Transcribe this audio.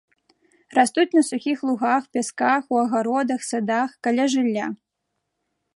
Растуць на сухіх лугах, пясках, у агародах, садах, каля жылля.